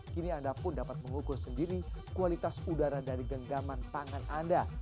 kini anda pun dapat mengukur sendiri kualitas udara dari genggaman tangan anda